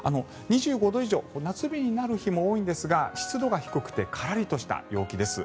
２５度以上夏日になる日も多いんですが湿度が低くてからりとした陽気です。